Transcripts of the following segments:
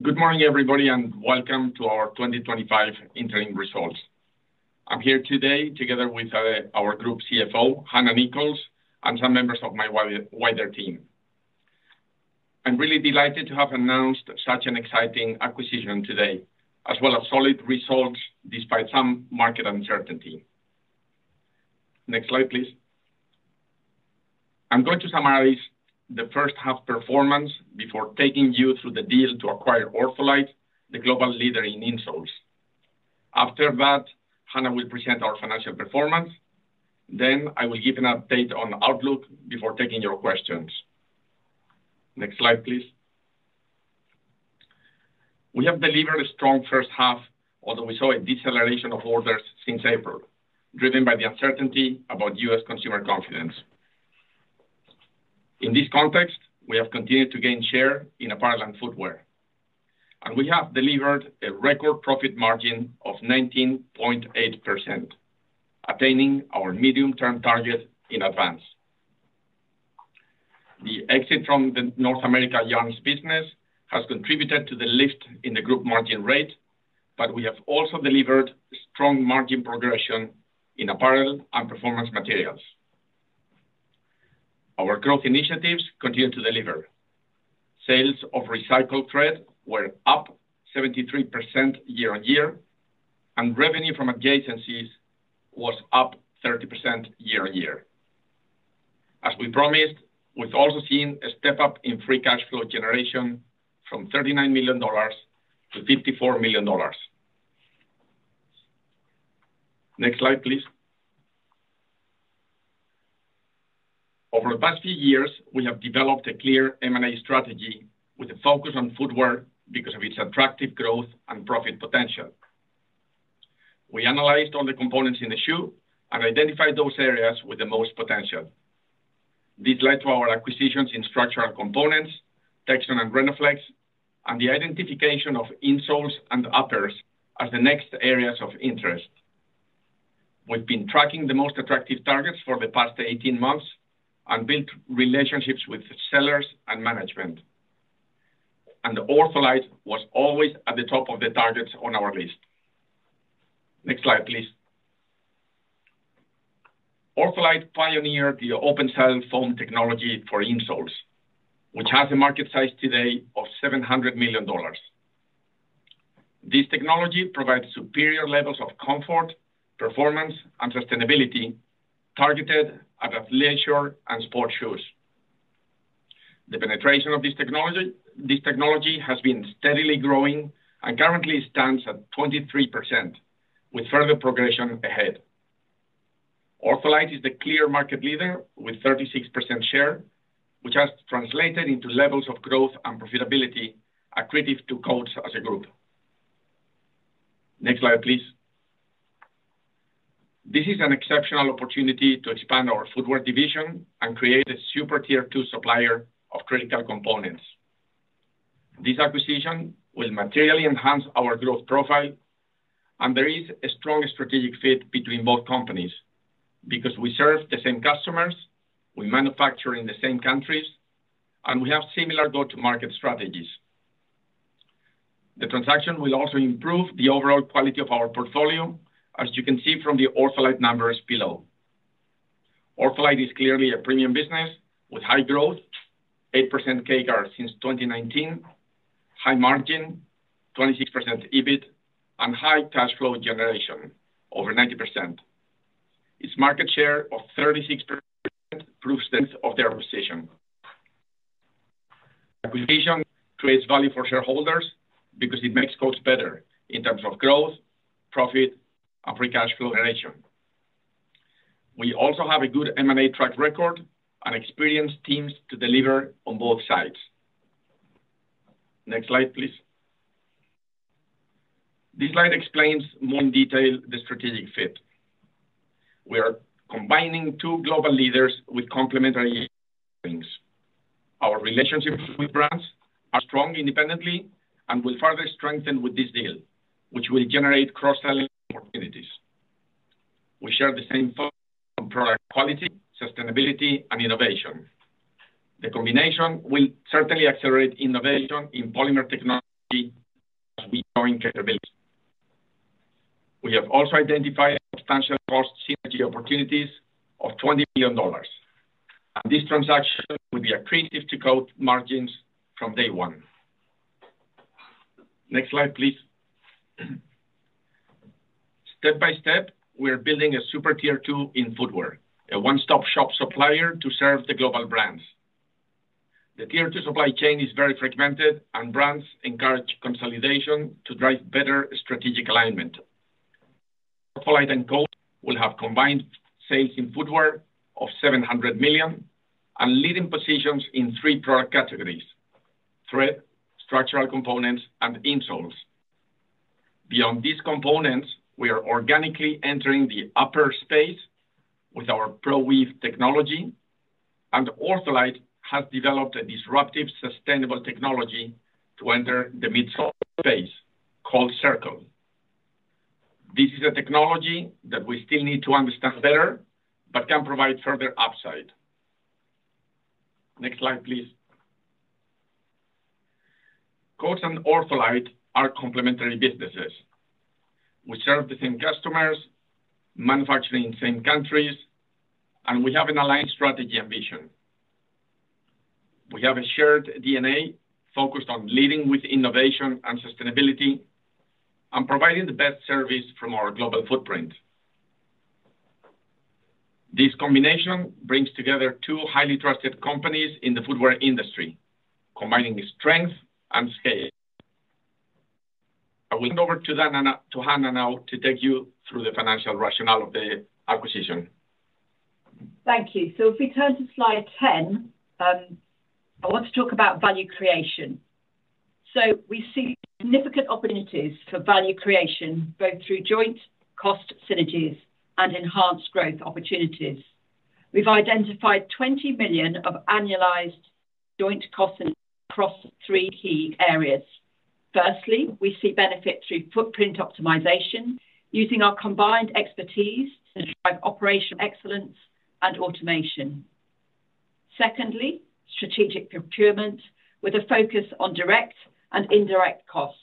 Good morning, everybody, and welcome to our 2025 interim results. I'm here today together with our group CFO, Hannah Nichols and some members of my wider team. I'm really delighted to have announced such an exciting acquisition today as well as solid results despite some market uncertainty. Next slide, please. I'm going to summarize the first half performance before taking you through the deal to acquire OrthoLite, the global leader in insoles. After that, Hannah will present our financial performance. Then I will give an update on outlook before taking your questions. Next slide please. We have delivered a strong first half, although we saw a deceleration of orders since April, driven by the uncertainty about U. S. Consumer confidence. In this context, we have continued to gain share in apparel and footwear, and we have delivered a record profit margin of 19.8%, attaining our medium term target in advance. The exit from the North America Yarns business has contributed to the lift in the group margin rate, but we have also delivered strong margin progression in Apparel and Performance Materials. Our growth initiatives continue to deliver. Sales of recycled thread were up 73 year on year and revenue from adjacencies was up 30% year on year. As we promised, we've also seen a step up in free cash flow generation from $39,000,000 to $54,000,000 Next slide please. Over the past few years, we have developed a clear M and A strategy with a focus on footwear because of its attractive growth and profit potential. We analyzed all the components in the shoe and identified those areas with the most potential. This led to our acquisitions in Structural Components, Textron and Renaflex and the identification of insoles and uppers as the next areas of interest. We've been tracking the most attractive targets for the past eighteen months and built relationships with sellers and management. And OrthoLite was always at the top of the targets on our list. Next slide please. OrthoLite pioneered the open silane foam technology for insoles, which has a market size today of $700,000,000 This technology provides superior levels of comfort, performance and sustainability targeted at leisure and sport shoes. The penetration of this technology has been steadily growing and currently stands at 23% with further progression ahead. OrthoLite is the clear market leader with 36% share, which has translated into levels of growth and profitability accretive to Coats as a group. Next slide please. This is an exceptional opportunity to expand our Footwear division and create a super Tier two supplier of critical components. This acquisition will materially enhance our growth profile, and there is a strong strategic fit between both companies, because we serve the same customers, we manufacture in the same countries and we have similar go to market strategies. The transaction will also improve the overall quality of our portfolio, as you can see from the Orphalite numbers below. Orphalite is clearly a premium business with high growth, 8% CAGR since 2019, high margin, 26% EBIT and high cash flow generation, over 90%. Its market share of 36% proves the strength of their position. Acquisition creates value for shareholders because it makes cost better in terms of growth, profit and free cash flow generation. We also have a good M and A track record and experienced teams to deliver on both sides. Next slide, please. This slide explains more in detail the strategic fit. We are combining two global leaders with complementary offerings. Our relationships with brands are strong independently and will further strengthen with this deal, which will generate cross selling opportunities. We share the same focus on product quality, sustainability and innovation. The combination will certainly accelerate innovation in polymer technology as we join capabilities. We have also identified substantial cost synergy opportunities of $20,000,000 And this transaction will be accretive to growth margins from day one. Next slide, please. Step by step, we are building a super Tier two in footwear, a one stop shop supplier to serve the global brands. The Tier two supply chain is very fragmented and brands encourage consolidation to drive better strategic alignment. Tropolyte and Gold will have combined sales in footwear of $700,000,000 and leading positions in three product categories: thread, structural components and insoles. Beyond these components, we are organically entering the upper space with our Proleneweave technology and OrthoLite has developed a disruptive sustainable technology to enter the midsole space called Circle. This is a technology that we still need to understand better, but can provide further upside. Next slide please. Coats and OrthoLite are complementary businesses. We serve the same customers, manufacturing in same countries and we have an aligned strategy and vision. We have a shared DNA focused on leading with innovation and sustainability and providing the best service from our global footprint. This combination brings together two highly trusted companies in the footwear industry, combining strength and scale. I will hand over to Hannah now to take you through the financial rationale acquisition. Thank you. So if we turn to Slide 10, I want to talk about value creation. So we see significant opportunities for value creation, both through joint cost synergies and enhanced growth opportunities. We've identified £20,000,000 of annualized joint costs across three key areas. Firstly, we see benefit through footprint optimization using our combined expertise to drive operational excellence and automation. Secondly, strategic procurement with a focus on direct and indirect costs.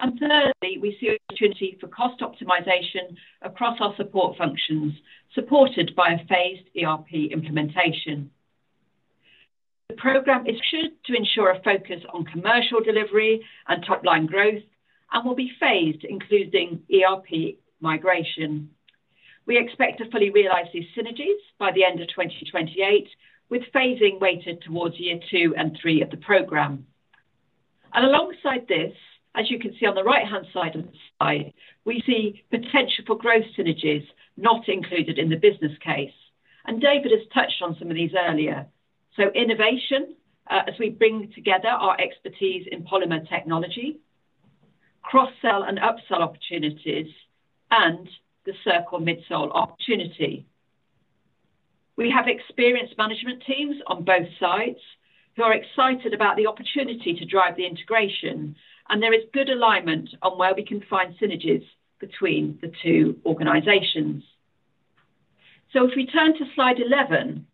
And thirdly, we see opportunity for cost optimization across our support functions supported by a phased ERP implementation. The programme is structured to ensure a focus on commercial delivery and top line growth and will be phased, including ERP migration. We expect to fully realize these synergies by the end of twenty twenty eight, with phasing weighted towards year two and three of the program. And alongside this, as you can see on the right hand side of the slide, we see potential for growth synergies not included in the business case. And David has touched on some of these earlier. So innovation, as we bring together our expertise in polymer technology cross sell and upsell opportunities and the CIRCOR midsole opportunity. We have experienced management teams on both sides who are excited about the opportunity to drive the integration, and there is good alignment on where we can find synergies between the two organizations. So if we turn to Slide 11,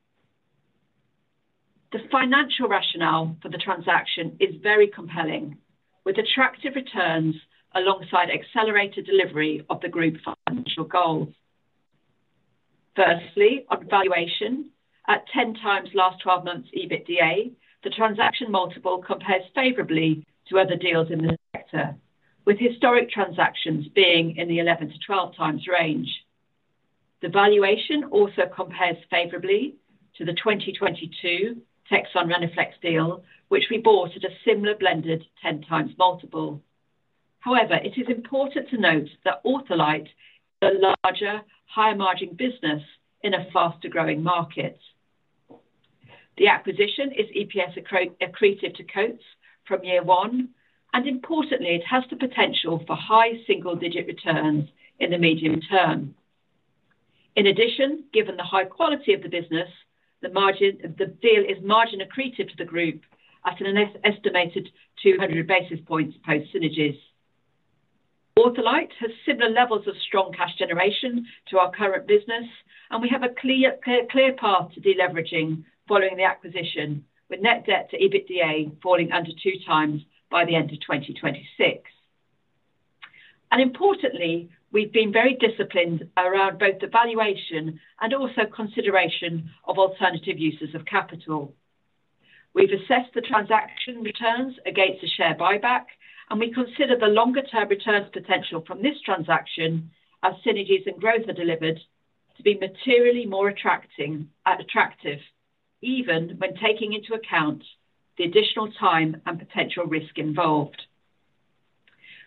the financial rationale for the transaction is very compelling with attractive returns alongside accelerated delivery of the group financial goals. Firstly, on valuation, at 10 times last twelve months EBITDA, the transaction multiple compares favorably to other deals in the sector, with historic transactions being in the 11 to 12 times range. The valuation also compares favorably to the 2022 Texan Reniflex deal, which we bought at a similar blended 10 times multiple. However, it is important to note that Autolite is a larger, higher margin business in a faster growing market. The acquisition is EPS accretive to Coats from year one, and importantly, it has the potential for high single digit returns in the medium term. In addition, given the high quality of the business, the margin the deal is margin accretive to the group after an estimated 200 basis points post synergies. Waterlite has similar levels of strong cash generation to our current business, and we have a clear path to deleveraging following the acquisition with net debt to EBITDA falling under 2x by the end of twenty twenty six. And importantly, we've been very disciplined around both the valuation and also consideration of alternative uses of capital. We've assessed the transaction returns against a share buyback, and we consider the longer term returns potential from this transaction as synergies and growth are delivered to be materially more attracting attractive, even when taking into account the additional time and potential risk involved.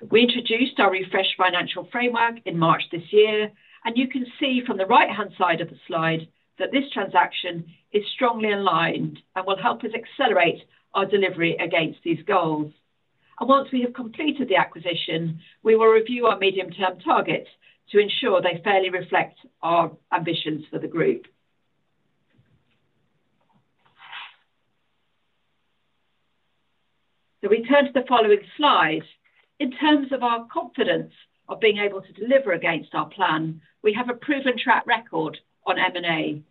We introduced our refreshed financial framework in March, and you can see from the right hand side of slide that this transaction is strongly aligned and will help us accelerate our delivery against these goals. And once we have completed the acquisition, we will review our medium term targets to ensure they fairly reflect our ambitions for the group. So we turn to the following slide. In terms of our confidence of being able to deliver against our plan, we have a proven track record on M and A.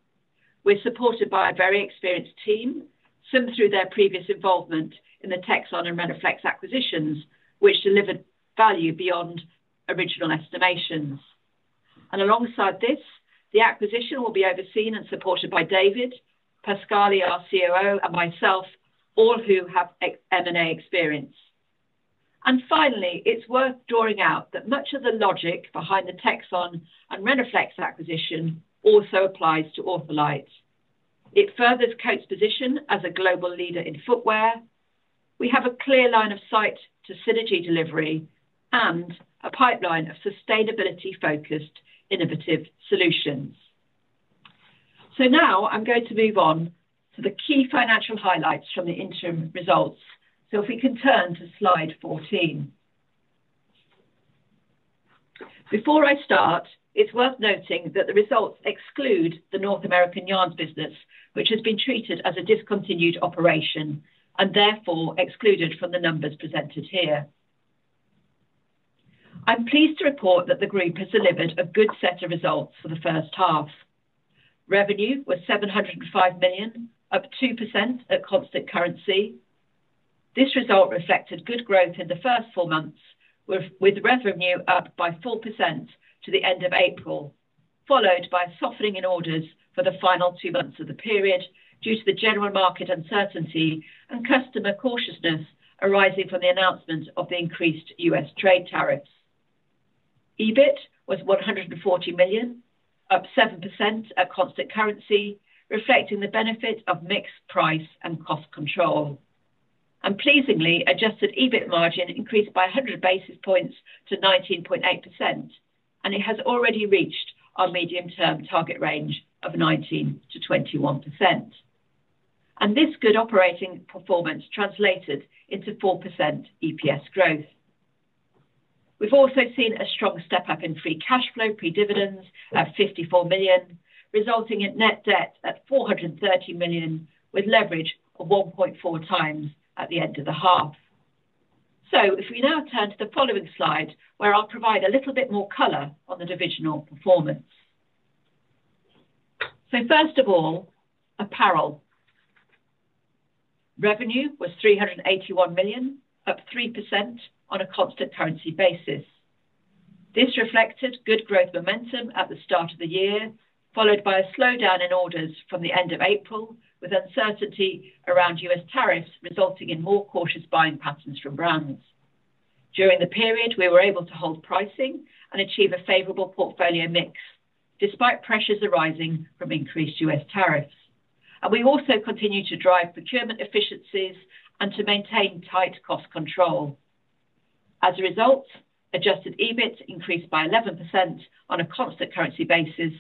We're supported by a very experienced team, similar to their previous involvement in the Texan and Renaflex acquisitions, which delivered value beyond original estimations. And alongside this, the acquisition will be overseen and supported by David Pascali, our COO and myself, all who have M and A experience. And finally, it's worth drawing out that much of the logic behind the Texon and Renaflex acquisition also applies to OrthoLite. It furthers Coats' position as a global leader in footwear. We have a clear line of sight to synergy delivery and a pipeline of sustainability focused innovative solutions. So now I'm going to move on to the key financial highlights from the interim results. So if we can turn to Slide 14. Before I start, it's worth noting that the results exclude the North American yarns business, which has been treated as a discontinued operation and therefore excluded from the numbers presented here. I'm pleased to report that the group has delivered a good set of results for the first half. Revenue was $7.00 £5,000,000 up 2% at constant currency. This result reflected good growth in the first four months, with revenue up by 4% to the April, followed by softening in orders for the final two months of the period due to the general market uncertainty and customer cautiousness arising from the announcement of the increased U. S. Trade tariffs. EBIT was £140,000,000 up 7% at constant currency, reflecting the benefit of mix, price and cost control. And pleasingly, adjusted EBIT margin increased by 100 basis points to 19.8%, and it has already reached our medium term target range of 19% to 21%. And this good operating performance translated into 4% EPS growth. We've also seen a strong step up in free cash flow, pre dividends of £54,000,000 resulting in net debt at £430,000,000 with leverage of 1.4 times at the end of the half. So if we now turn to the following slide, where I'll provide a little bit more color on the divisional performance. So first of all, apparel. Revenue was £381,000,000 up 3% on a constant currency basis. This reflected good growth momentum at the start of the year, followed by a slowdown in orders from the April with uncertainty around U. S. Tariffs resulting in more cautious buying patterns from brands. During the period, we were able to hold pricing and achieve a favorable portfolio mix despite pressures arising from increased U. S. Tariffs. And we also continued to drive procurement efficiencies and to maintain tight cost control. As a result, adjusted EBIT increased by 11% on a constant currency basis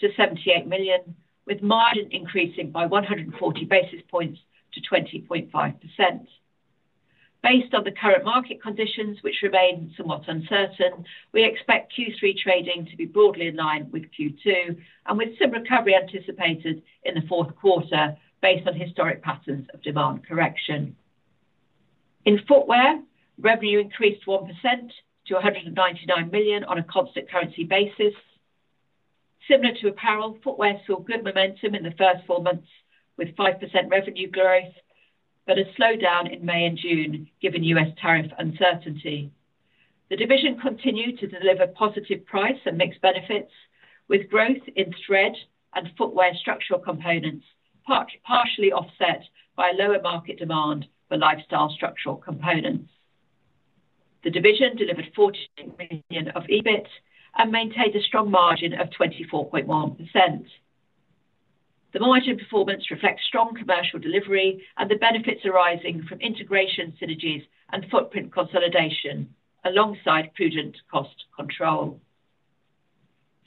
to £78,000,000 with margin increasing by 140 basis points to 20.5%. Based on the current market conditions, which remain somewhat uncertain, we expect Q3 trading to be broadly in line with Q2 and with some recovery anticipated in the fourth quarter based on historic patterns of demand correction. In footwear, revenue increased 1% to £199,000,000 on a constant currency basis. Similar to apparel, footwear saw good momentum in the first four months with 5% revenue growth, but a slowdown in May and June given U. S. Tariff uncertainty. The division continued to deliver positive price and mix benefits with growth in thread and footwear structural components, partially offset by lower market demand for lifestyle structural components. The division delivered 46,000,000 of EBIT and maintained a strong margin of 24.1%. The margin performance reflects strong commercial delivery and the benefits arising from integration synergies and footprint consolidation alongside prudent cost control.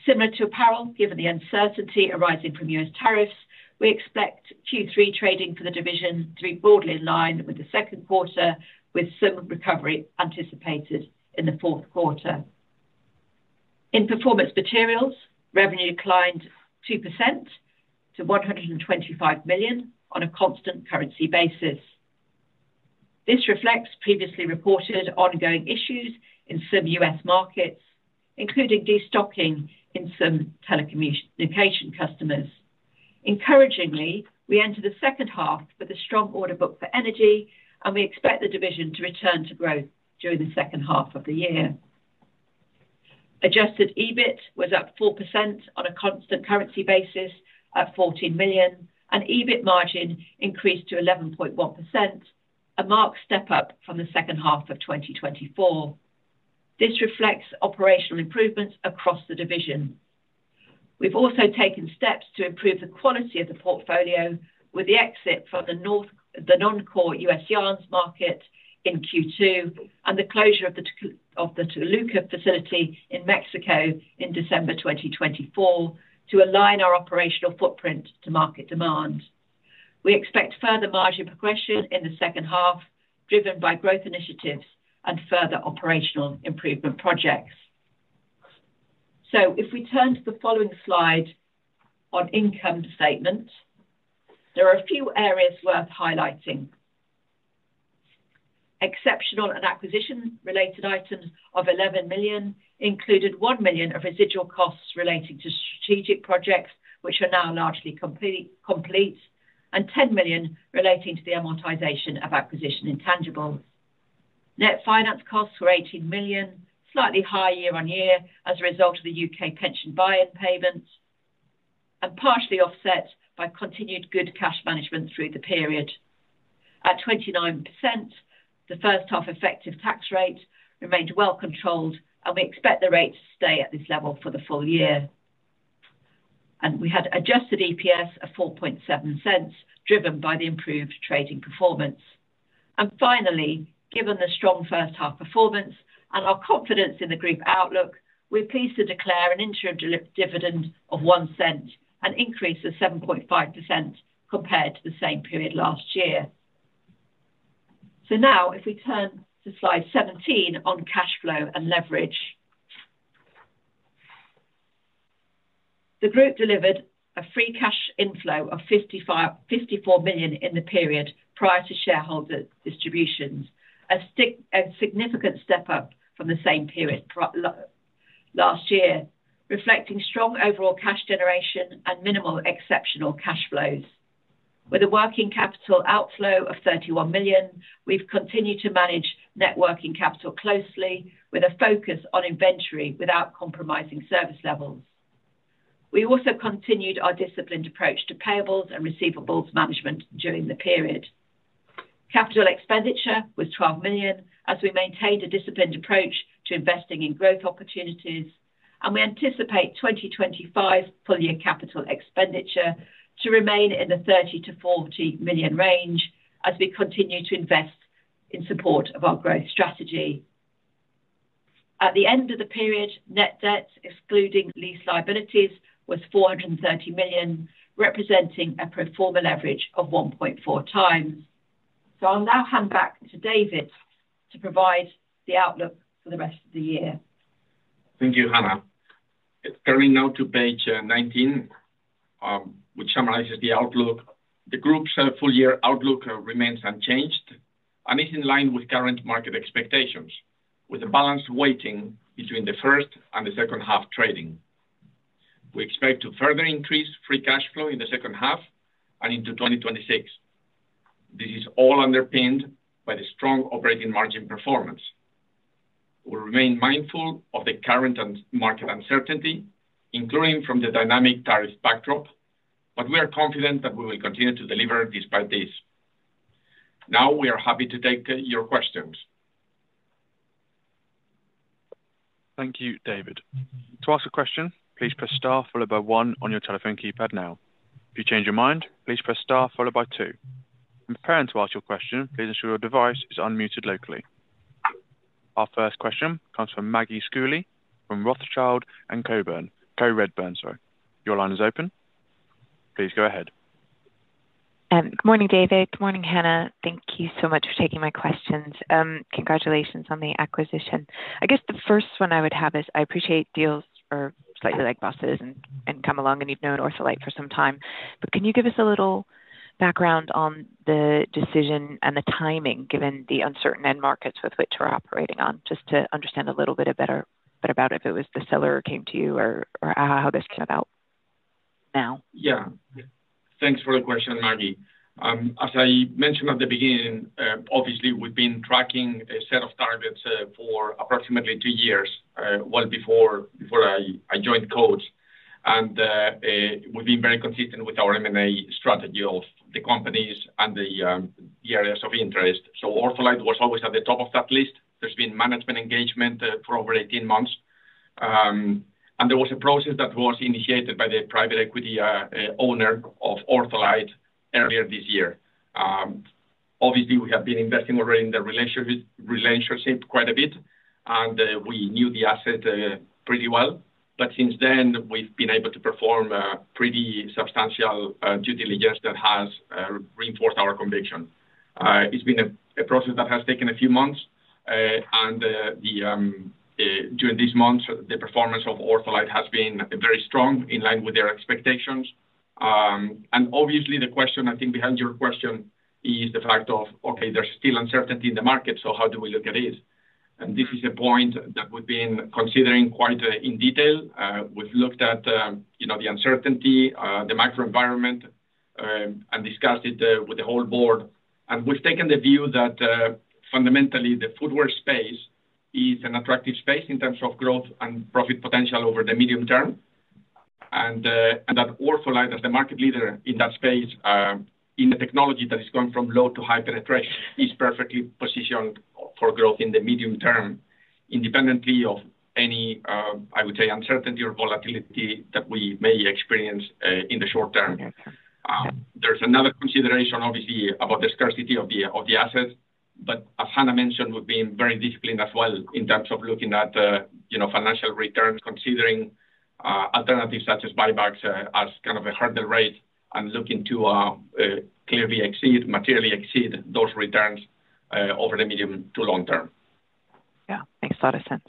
Similar to apparel, given the uncertainty arising from U. Tariffs, we expect Q3 trading for the division to be broadly in line with the second quarter with some recovery anticipated in the fourth quarter. In Performance Materials, revenue declined 2% to £125,000,000 on a constant currency basis. This reflects previously reported ongoing issues in some U. S. Markets, including destocking in some telecommunication customers. Encouragingly, we entered the second half with a strong order book for Energy, and we expect the division to return to growth during the second half of the year. Adjusted EBIT was up 4% on a constant currency basis at 14,000,000 and EBIT margin increased to 11.1%, a marked step up from the second half of twenty twenty four. This reflects operational improvements across the division. We've also taken steps to improve the quality of the portfolio with the exit from the non core U. S. Yarns market in Q2 and the closure of the Toluca facility in Mexico in December 2024 to align our operational footprint to market demand. We expect further margin progression in the second half, driven by growth initiatives and further operational improvement projects. So if we turn to the following slide on income statement, there are a few areas worth highlighting. Exceptional and acquisition related items of £11,000,000 included £1,000,000 of residual costs relating to strategic projects, which are now largely complete and £10,000,000 relating to the amortization of acquisition intangibles. Net finance costs were £18,000,000 slightly higher year on year as a result of The UK pension buy in payments and partially offset by continued good cash management through the period. At 29%, the first half effective tax rate remained well controlled, and we expect the rate to stay at this level for the full year. And we had adjusted EPS of £0.47 driven by the improved trading performance. And finally, given the strong first half performance and our confidence in the group outlook, we're pleased to declare an interim dividend of £01 an increase of 7.5% compared to the same period last year. So now if we turn to Slide 17 on cash flow and leverage. The group delivered a free cash inflow of £54,000,000 in the period prior to shareholder distributions, a significant step up from the same period last year, reflecting strong overall exceptional cash flows. With a working capital outflow of £31,000,000 we've continued to manage net working capital closely with a focus on inventory without compromising service levels. We also continued our disciplined approach to payables and receivables management during the period. Capital expenditure was £12,000,000 as we maintained a disciplined approach to investing in growth opportunities, and we anticipate twenty twenty five full year capital expenditure to remain in the 30,000,000 to £40,000,000 range as we continue to invest in support of our growth strategy. At the end of the period, net debt excluding lease liabilities was GBP $430,000,000, representing a pro form a leverage of 1.4x. So I'll now hand back to David to provide the outlook for the rest of the year. Thank you, Hannah. Turning now to Page 19, which summarizes the outlook. The group's full year outlook remains unchanged and is in line with current market expectations with the balance weighting between the first and the second half trading. We expect to further increase free cash flow in the second half and into 2026. This is all underpinned by the strong operating margin performance. We remain mindful of the current market uncertainty, including from the dynamic tariff backdrop, but we are confident that we will continue to deliver despite this. Now we are happy to take your questions. Thank you, David. Our first question comes from Maggie Schooley from Rothschild and Co Redburn. Line is open. Please go ahead. Good morning, David. Good morning, Hannah. Thank you so much for taking my questions. Congratulations on the acquisition. I guess the first one I would have is, I appreciate deals are slightly like buses and come along and you've known OrthoLite for some time. But can you give us a little background on the decision and the timing given the uncertain end markets with which we're operating on? Just to understand a little bit better about if it was the seller who came to you or how this came about now? Yes. Thanks for the question, Maggie. As I mentioned at the beginning, obviously, we've been tracking a set of targets for approximately two years, well before I joined Coach. And we've been very consistent with our M and A strategy of the companies and the areas of interest. So OrthoLite was always at the top of that list. There's been management engagement for over eighteen months. And there was a process that was initiated by the private equity owner of OrthoLite earlier this year. Obviously, we have been investing already in the relationship quite a bit and we knew the asset pretty well. But since then, we've been able to perform pretty substantial due diligence that has reinforced our conviction. It's been a process that has taken a few months. And during these months, the performance of OrthoLite has been very strong, in line with their expectations. And obviously, the question I think behind your question is the fact of, okay, there's still uncertainty in the market, so how do we look at this? And this is a point that we've been considering quite in detail. We've looked at the uncertainty, the macro environment and discussed it with the whole Board. And we've taken the view that fundamentally the footwear space is an attractive space in terms of growth and profit potential over the medium term. And that OrthoLine as the market leader in that space in the technology that is going from low to high penetration is perfectly positioned for growth in the medium term independently of any, I would say, uncertainty or volatility that we may experience in the short term. There's another consideration obviously about the scarcity of the assets. But as Hannah mentioned, we've been very disciplined as well in terms of looking at financial returns considering alternatives such as buybacks as kind of a hurdle rate and looking to clearly exceed materially exceed those returns over the medium to long term. Yes. Makes a lot of sense.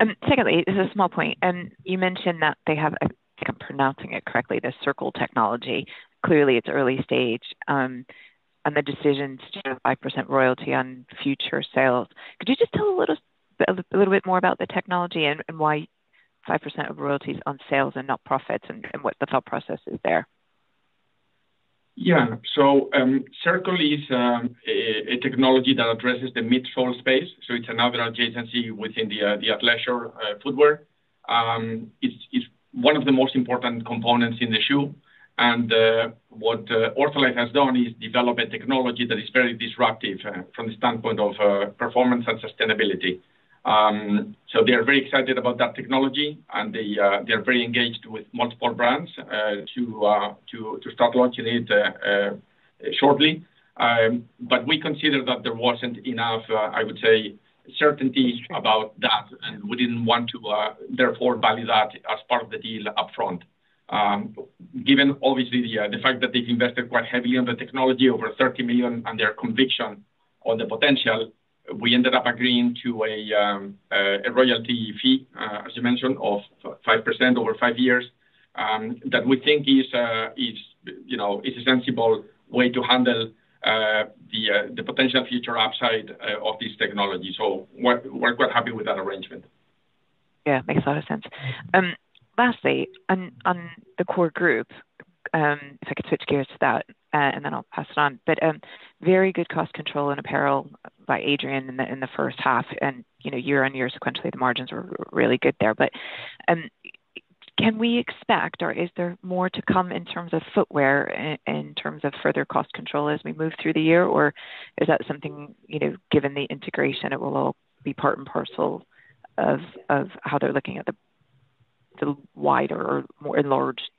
And secondly, this is a small point. And you mentioned that they have I think I'm pronouncing it correctly, the Circle technology. Clearly, it's early stage and the decisions to 5% royalty on future sales. Could you just tell a little bit more about the technology and why 5% of royalties on sales and not profits and what the thought process is there? Yes. So Circle is a technology that addresses the midsole space. So it's another adjacency within the athleisure footwear. It's one of the most important components in the shoe. And what OrthoLife has done is develop a technology that is very disruptive from the standpoint of performance and sustainability. So they are very excited about that technology, and they are very engaged with multiple brands to start launching it shortly. But we consider that there wasn't enough, I would say, certainty about that and we didn't want to therefore value that as part of the deal upfront. Given obviously the fact that they've invested quite heavily on the technology over €30,000,000 and their conviction on the potential, we ended up agreeing to a royalty fee, as you mentioned, of 5% over five years that we think is a sensible way to handle the potential future upside of this technology. So we're quite happy with that arrangement. Yes. Makes a lot of sense. Lastly, on the core group, if I could switch gears to that and then I'll pass it on. But very good cost control in apparel by Adrienne in the first half and year on year sequentially the margins were really good there. But can we expect or is there more to come in terms of footwear in terms of further cost control as we move through the year? Or is that something given the integration, it will all be part and parcel of how they're looking at the wider or more enlarged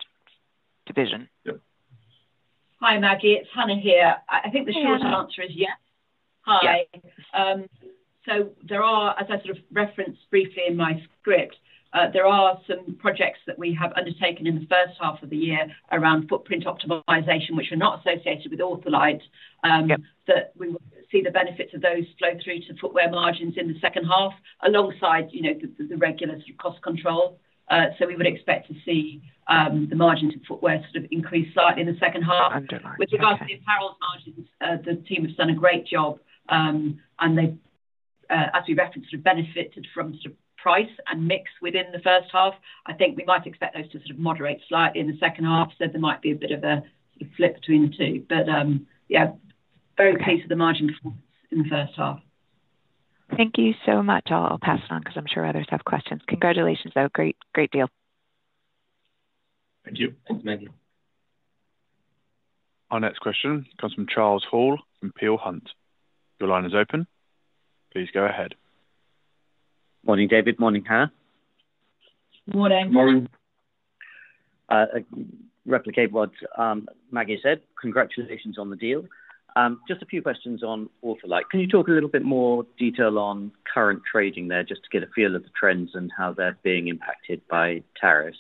division? Maggie, it's Hannah here. Think the short answer is yes. So there are as I sort of referenced briefly in my script, there are some projects that we have undertaken in the first half of the year around footprint optimization, which are not associated with OrthoLite, that we will see the benefits of those flow through to footwear margins in the second half alongside the regular cost control. So we would expect to see the margins in footwear sort of increase slightly in the second half. With regard to the apparel margins, the team has done a great job. And they, as we referenced, have benefited from price and mix within the first half. I think we might expect those to sort of moderate slightly in the second half, so there might be a bit of a flip between the two. But yes, very okay to the margin performance in the first half. Thank you so much. I'll pass it on because I'm sure others have questions. Congratulations, though. Great deal. Thank you. Thanks, Maggie. Our next question comes from Charles Hall from Peel Hunt. Your line is open. Please go ahead. Good morning, David. Good morning, Hannah. Good morning. Good morning. Replicate what Maggie said. Congratulations on the deal. Just a few questions on OrthoLite. Can you talk a little bit more detail on current trading there just to get a feel of the trends and how they're being impacted by tariffs?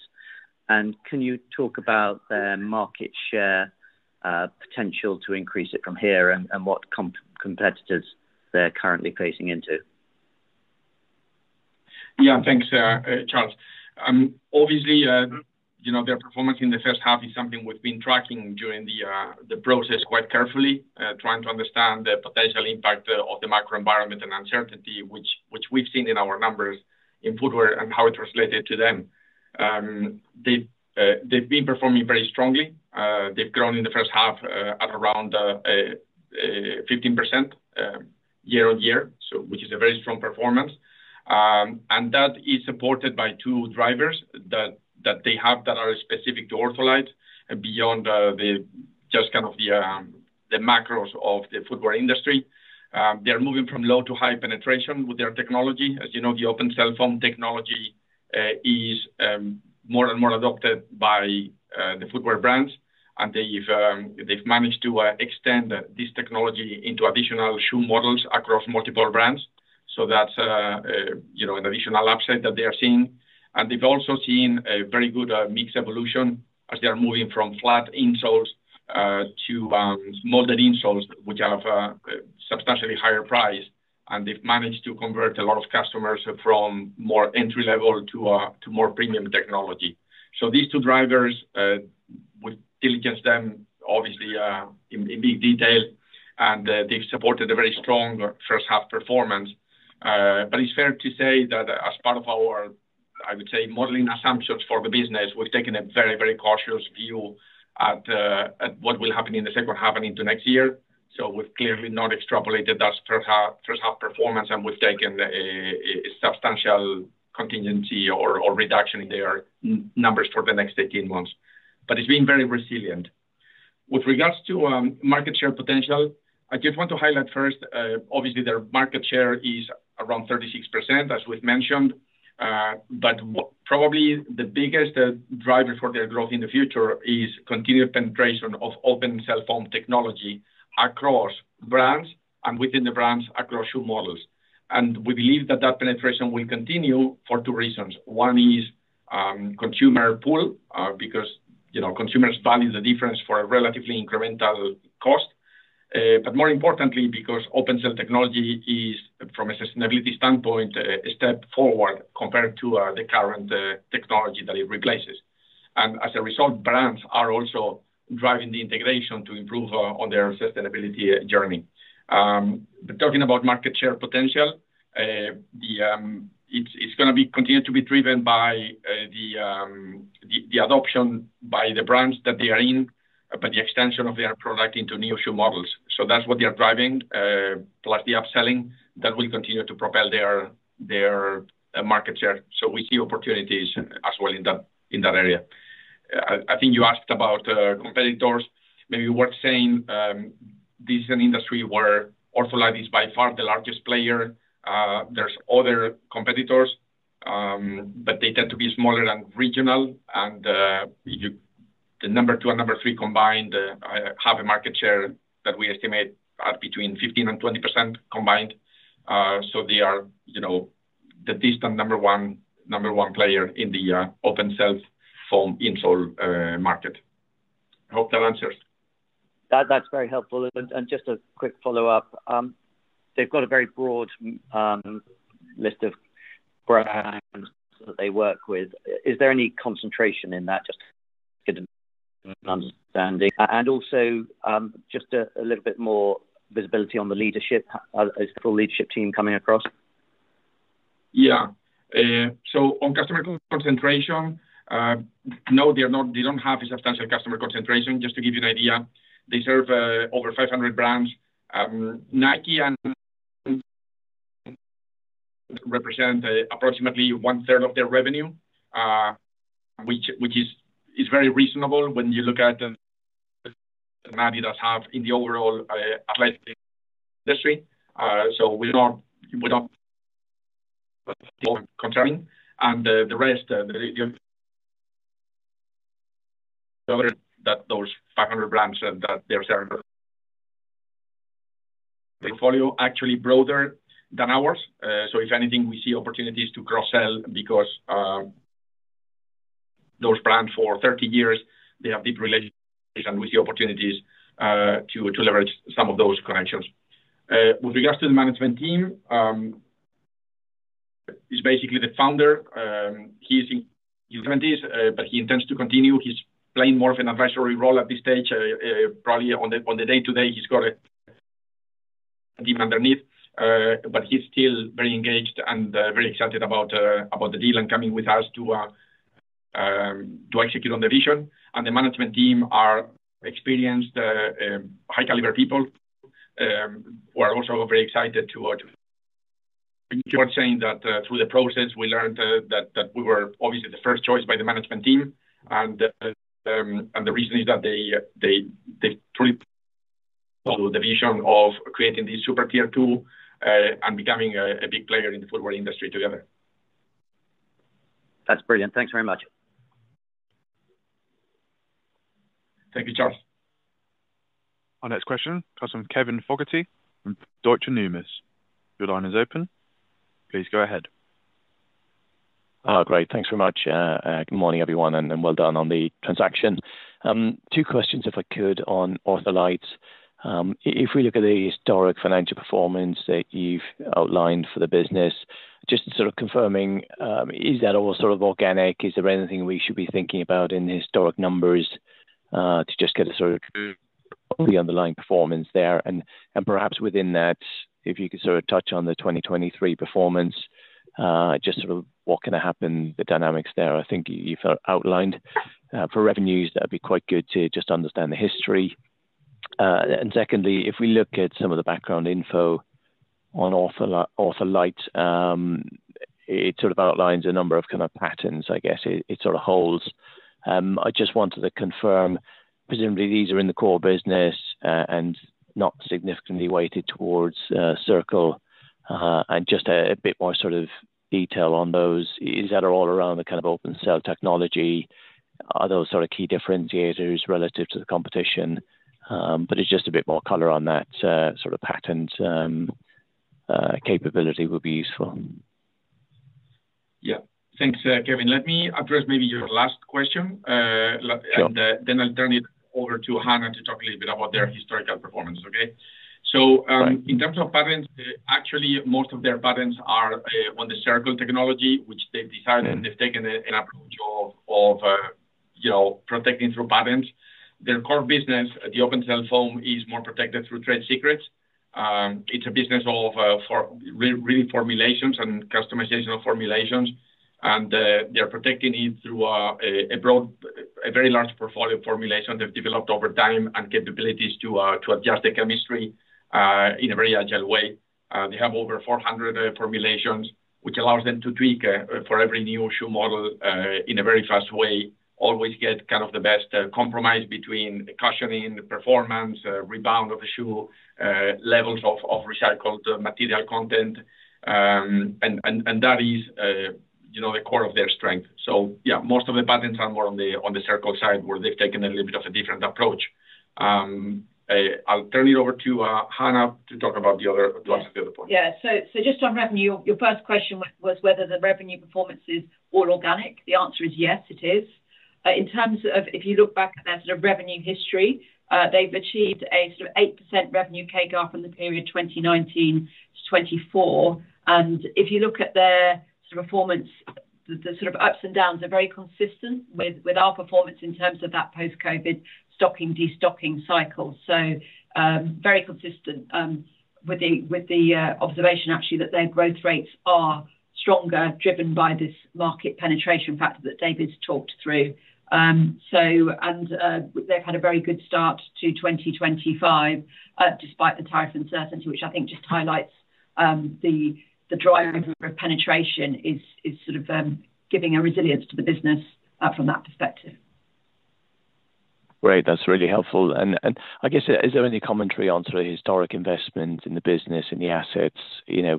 And can you talk about the market market share potential to increase it from here and what competitors they're currently pacing into? Yes. Thanks, Charles. Obviously, their performance in the first half is something we've been tracking during the process quite carefully, trying to understand the potential impact of the macro environment and uncertainty, which we've seen in our numbers in footwear and how it translated to them. They've been performing very strongly. They've grown in the first half at around 15% year on year, which is a very strong performance. And that is supported by two drivers that they have that are specific to OrthoLite beyond the just kind of the macros of the footwear industry. They are moving from low to high penetration with their technology. As you know, the open cell phone technology is more and more adopted by the footwear brands, and they've managed to extend this technology into additional shoe models across multiple brands. So that's an additional upside that they are seeing. And they've also seen a very good mix evolution as they are moving from flat insoles to molded insoles, which have a substantially higher price. And they've managed to convert a lot of customers from more entry level to more premium technology. So these two drivers, we've diligence them obviously in big detail, and they've supported a very strong first half performance. But it's fair to say that as part of our, I would say, modeling assumptions for the business, we've taken a very, very cautious view at what will happen in the second half and into next year. So we've clearly not extrapolated that first half performance, and we've taken a substantial contingency or reduction in their numbers for the next eighteen months, but it's been very resilient. With regards to market share potential, I just want to highlight first, obviously, their market share is around 36%, as we've mentioned. But probably the biggest driver for their growth in the future is continued penetration of open cell phone technology across brands and within the brands across shoe models. And we believe that, that penetration will continue for two reasons. One is consumer pull because consumers value the difference for a relatively incremental cost. But more importantly, because open cell technology is from a sustainability standpoint a step forward compared to the current technology that it replaces. And as a result, brands are also driving the integration to improve on their sustainability journey. Talking about market share potential, it's going to be continue to be driven by the adoption by the brands that they are in, by the extension of their product into new shoe models. So that's what they are driving plus the upselling that will continue to propel their market share. So we see opportunities as well in that area. I think you asked about competitors. Maybe worth saying this is an industry where Orpholite is by far the largest player. There's other competitors, but they tend to be smaller than regional. And the number two and number three combined have a market share that we estimate at between 1520% combined. So they are the distant number one player in the open cell foam insole market. I hope that answers. That's very helpful. And just a quick follow-up. They've got a very broad list of brands that they work with. Is there any concentration in that just get an understanding? And also just a little bit more visibility on the leadership, is the full leadership team coming across? Yes. So on customer concentration, no, they are not they don't have a substantial customer concentration. Just to give you an idea, they serve over 500 brands. Nike and represent approximately one third of their revenue, which is very reasonable when you look at Nairobi does have in the overall athletic industry. So we concerning. And the rest, the that those 500 brands that they're selling portfolio actually broader than ours. So if anything, we see opportunities to cross sell because those plans for thirty years, they have deep relationships and we see opportunities to leverage some of those credentials. With regards to the management team, he's basically the founder. He's in The U. But he intends to continue. He's playing more of an advisory role at this stage. Probably on the day to day, he's got a deep underneath, but he's still very engaged and very excited about the deal and coming with us to execute on the vision. And the management team are experienced high caliber people who are also very excited to join. Think you are saying that through the process, learned that we were obviously the first choice by the management team. And the reason is that they truly the vision of creating the super Tier two and becoming a big player in the footwear industry together. That's brilliant. Thanks very much. Thank you, Charles. Our next question comes from Kevin Fogarty from Deutsche Numis. Your line is open. Please go ahead. Great. Thanks very much. Good morning, everyone, and well done on the transaction. Two questions, if I could, on OrthoLite. If we look at the historic financial performance that you've outlined for the business, just sort of confirming, is that all sort of organic? Is there anything we should be thinking about in historic numbers to just get a sort of the underlying performance there? And perhaps within that, if you could sort of touch on the 2023 performance, just sort of what can happen, the dynamics there, I think you've outlined. For revenues, that would be quite good to just understand the history. And secondly, if we look at some of the background info on Author Lite, it sort of outlines a number of kind of patterns, I guess, it sort of holds. I just wanted to confirm, presumably, these are in the core business and not significantly weighted towards Circle. And just a bit more sort of detail on those. Is that all around the kind of open cell technology? Are those sort of key differentiators relative to the competition? But it's just a bit more color on that sort of patent capability would be useful. Yes. Thanks, Kevin. Let me address maybe your last question. Then I'll turn it over to Hana to talk a little bit about their historical performance, okay? So in terms of patents, actually most of their patents are on the Circle technology, which they've decided and they've taken an approach of protecting through patents. Their core business, the open cell phone is more protected through trade secrets. It's a business of really formulations and customization of formulations. And they are protecting it through a broad a very large portfolio formulation they've developed over time and capabilities to adjust the chemistry in a very agile way. They have over 400 formulations, which allows them to tweak for every new shoe model in a very fast way, always get kind of the best compromise between cushioning, performance, rebound of the shoe, levels of recycled material content and that is the core of their strength. So yes, most of the patents are more on the Circle side where they've taken a little bit of a different approach. I'll turn it over to Hannah to talk about the other to answer the other point. Yes. So just on revenue, your first question was whether the revenue performance is all organic. The answer is yes, it is. In terms of if you look back at that sort of revenue history, they've achieved sort of 8% revenue CAGR from the period 2019 to 2024. And if you look at their sort of performance, the sort of ups and downs are very consistent with our performance in terms of that post COVID stocking, destocking cycle. So very consistent with the observation actually that their growth rates are stronger driven by this market penetration factor that David's talked through. So and they've had a very good start to 2020 despite the tariff uncertainty, which I think just highlights the driver penetration is sort of giving a resilience to the business from that perspective. Great. That's really helpful. And I guess, is there any commentary on sort of historic investments in the business and the assets,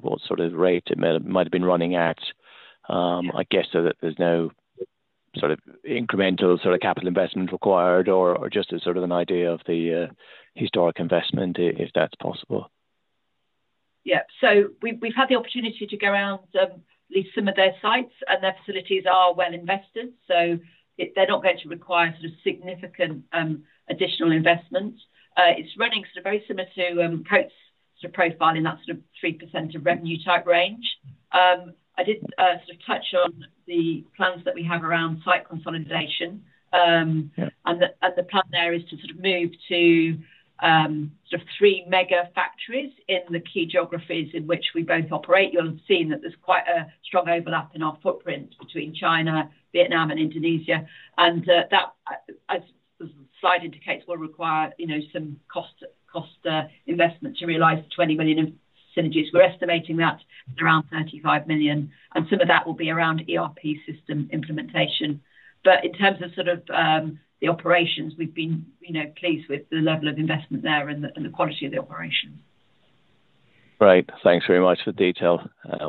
what sort of rate it might have been running at? I guess, so that there's no sort of incremental sort of capital investment required or just sort of an idea of the historic investment, if that's possible? Yes. So we've had the opportunity to go around lease some of their sites, and their facilities are well invested. So they're not going to require sort of significant additional investments. It's running sort of very similar to perhaps sort of profile in that sort of 3% of revenue type range. I did sort of touch on the plans that we have around site consolidation. And plan there is to sort of move to sort of three mega factories in the key geographies in which we both operate. You'll have seen that there's quite a strong overlap in our footprint between China, Vietnam and Indonesia. And that, as the slide indicates, will require some cost investment to realize £20,000,000 of synergies. We're estimating that around £35,000,000 and some of that will be around ERP system implementation. But in terms of sort of the operations, we've been pleased with the level of investment there and the quality of the operation. Great. Thanks very much for the detail.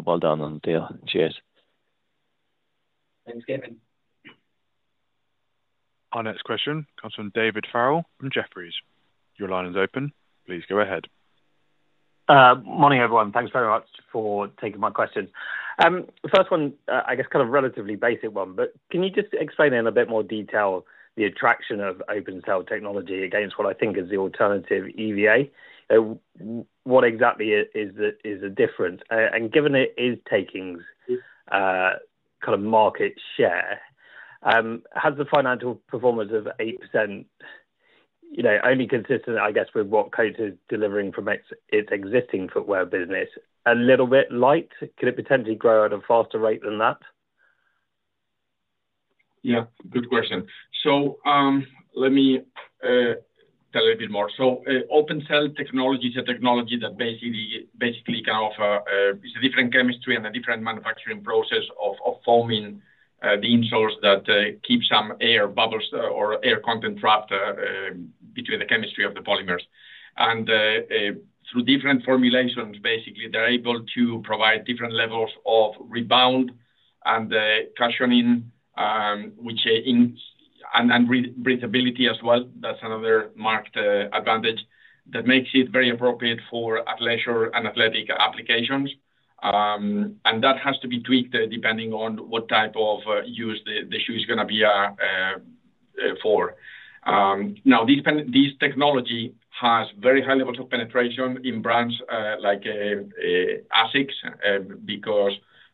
Well done on the deal. Cheers. Thanks, Gavin. Our next question comes from David Farrell from Jefferies. Your line is open. Please go ahead. Good morning, everyone. Thanks very much for taking my questions. The first one, I guess, of relatively basic one, but can you just explain in a bit more detail the attraction of open cell technology against what I think is the alternative EVA? What exactly is the difference? And given it is taking kind of market share, has the financial performance of 8% only consistent, I guess, with what Kote is delivering from its existing footwear business a little bit light? Could it potentially grow at a faster rate than that? Yes, good question. So let me tell a little bit more. So open cell technology is a technology that basically kind of is a different chemistry and a different manufacturing process of forming the insoles that keep some air bubbles or air content trapped between the chemistry of the polymers. And through different formulations, basically, they're able to provide different levels of rebound and cushioning, which breathability as well. That's another marked advantage that makes it very appropriate for athleisure and athletic applications. And that has to be tweaked depending on what type of use the shoe is going to be for. Now this technology has very high levels of penetration in brands like ASICS because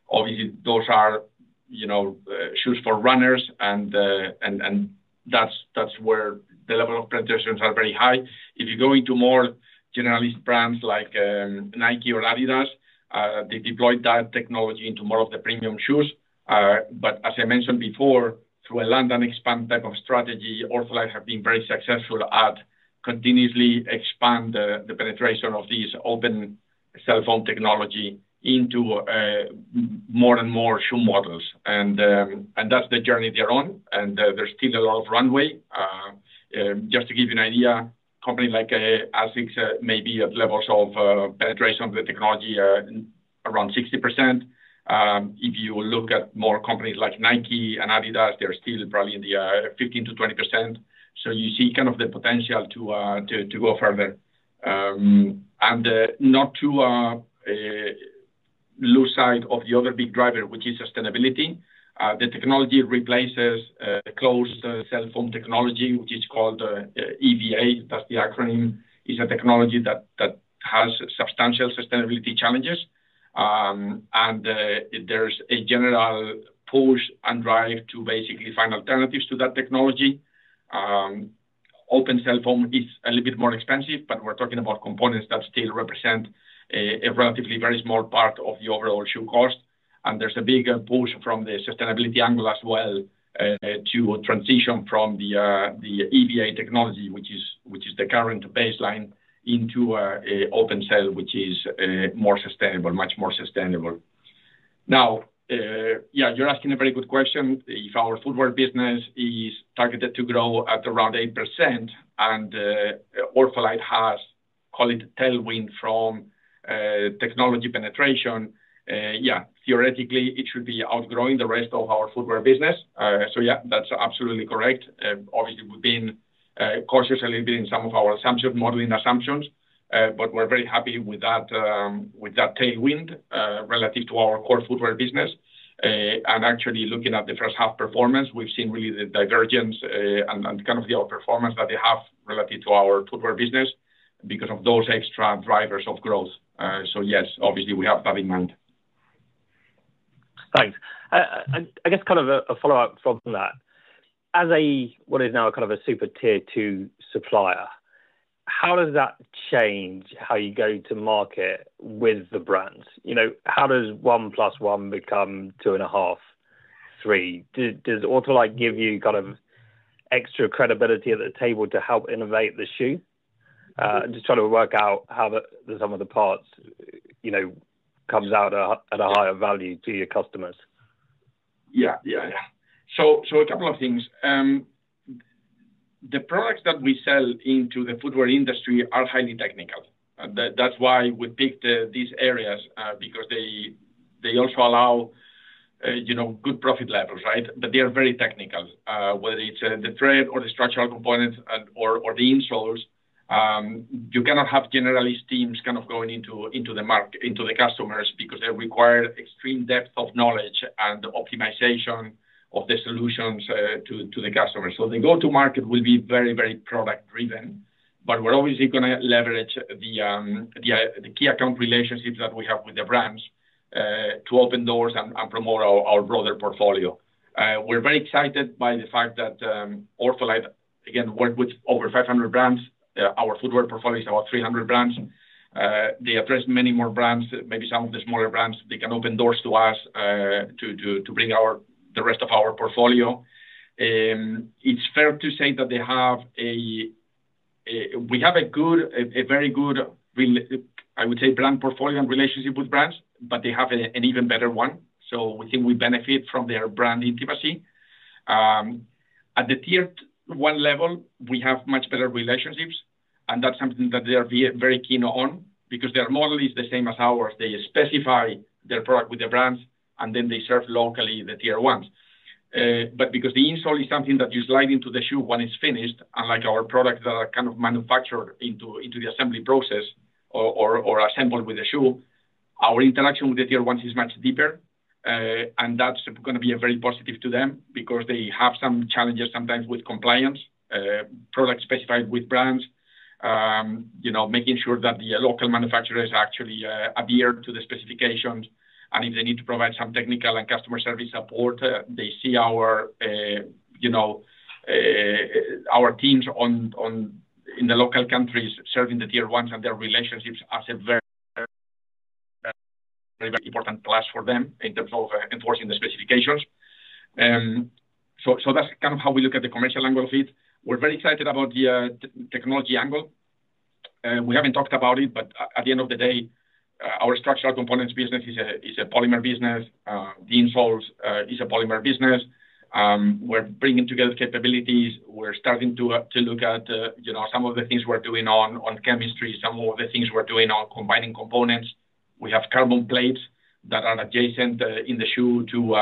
obviously those are shoes for runners and that's where the level of penetrations are very high. If you go into more generalist brands like Nike or Adidas, they deployed that technology into more of the premium shoes. But as I mentioned before, through a land and expand type of strategy, OrthoLife have been very successful at continuously expand the penetration of these open cell phone technology into more and more shoe models. And that's the journey they're on, and there's still a lot of runway. Just to give you an idea, a company like ASICs may be at levels of penetration of the technology around 60%. If you look at more companies like Nike and Adidas, they're still probably in the 15% to 20%. So you see kind of the potential to go further. And not to lose sight of the other big driver, which is sustainability. The technology replaces closed cell phone technology, which is called EVA, that's the acronym, is a technology that has substantial sustainability challenges. And there's a general push and drive to basically find alternatives to that technology. Open cell phone is a little bit more expensive, but we're talking about components that still represent a relatively very small part of the overall shoe cost. And there's a bigger push from the sustainability angle as well to transition from the EVA technology, which is the current baseline into open cell, which is more sustainable, much more sustainable. Now yes, you're asking a very good question. If our footwear business is targeted to grow at around 8% and Orphalete has, call it, tailwind from technology penetration, yes, theoretically it should be outgrowing the rest of our footwear business. So yes, that's absolutely correct. Obviously, we've been cautious a little bit in some of our assumption modeling assumptions, but we're very happy with that tailwind relative to our core footwear business. And actually looking at the first half performance, we've seen really the divergence and kind of the outperformance that they have relative to our footwear business because of those extra drivers of growth. So yes, obviously, we have that in mind. Thanks. And I guess kind of a follow-up from that. As a what is now kind of a super Tier two supplier, how does that change how you go to market with the brands? How does one plus one become 2.5, three? Does Autolite give you kind of extra credibility at the table to help innovate the shoe? Just trying to work out how some of the parts comes out at a higher value to your customers. Yes. So a couple of things. The products that we sell into the footwear industry are highly technical. That's why we picked these areas because they also allow good profit levels, right? But they are very technical, technical, whether whether it's it's the trade or the structural components or the insoles. You cannot have generalist teams kind of going into the customers because they require extreme depth of knowledge and optimization of the solutions to the customers. So the go to market will be very, very product driven, but we're obviously going to leverage the key account relationships that we have with the brands to open doors and promote our broader portfolio. We're very excited by the fact that OrthoLife, again, worked with over 500 brands. Our footwear portfolio is about 300 brands. They address many more brands, maybe some of the smaller brands. They can open doors to us to bring our the rest of our portfolio. It's fair to say that they have a we have a good a very good, I would say, brand portfolio and relationship with brands, but they have an even better one. So we think we benefit from their brand intimacy. At the Tier one level, we have much better relationships and that's something that they are very keen on because their model is the same as ours. They specify their product with their brands and then they serve locally the Tier 1s. But because the install is something that you slide into the shoe when it's finished unlike our products that are kind of manufactured into the assembly process or assembled with a shoe, our interaction with the Tier 1s is much deeper. And that's going to be very positive to them because they have some challenges sometimes with compliance, products specified with brands, making sure that the local manufacturers actually adhere to the specifications. And if they need to provide some technical and customer service support, they see our teams on in the local countries serving the Tier 1s and their relationships as a very, very important plus for them in terms of enforcing the specifications. So that's kind of how we look at the commercial angle fit. We're very excited about the technology angle. We haven't talked about it, but at the end of the day, our structural components business is a polymer business. The insoles is a polymer business. We're bringing together capabilities. We're starting to look at some of the things we're doing on chemistry, some of the things we're doing on combining components. We have carbon plates that are adjacent in the shoe to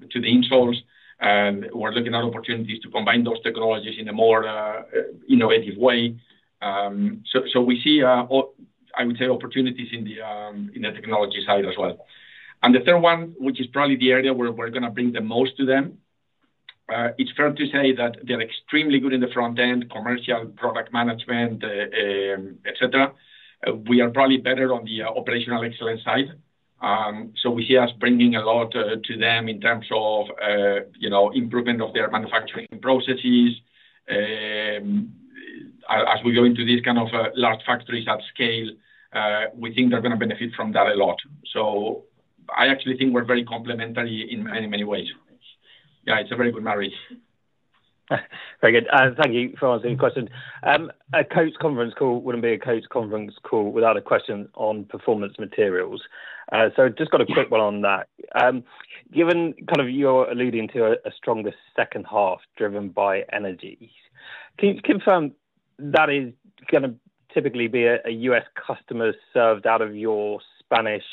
the insoles. And we're looking at opportunities to combine those technologies in a more innovative way. So we see, I would say, opportunities in the the technology side as well. And the third one, which is probably the area where we're going to bring the most to them, it's fair to say that they're extremely good in the front end, commercial, product management, etcetera. We are probably better on the operational excellence side. So we see us bringing a lot to them in terms of improvement of their manufacturing processes. As we go into these kind of large factories at scale, we think they're going to benefit from that a lot. So I actually think we're very complementary in many, many ways. Yes, it's a very good marriage. Very good. Thank you for answering the question. A Coach conference call wouldn't be a Coach conference call without a question on Performance Materials. Just got a quick one on that. Given kind of you're alluding to a stronger second half driven by energy, can you confirm that is going to typically be a U. S. Customer served out of your Spanish